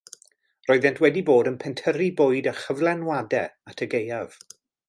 Roeddent wedi bod yn pentyrru bwyd a chyflenwadau at y gaeaf.